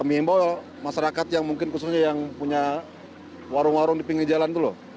ya kami himbaw masyarakat yang mungkin khususnya yang punya warung warung di pinggi jalan itu loh